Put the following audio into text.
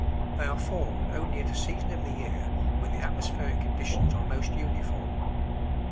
They are formed only at a season of the year when the atmospheric conditions are most uniform.